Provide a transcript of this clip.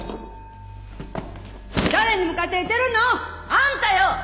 誰に向かって言ってるの！？あんたよ！